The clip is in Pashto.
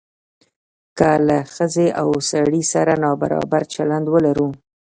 که له ښځې او سړي سره نابرابر چلند ولرو.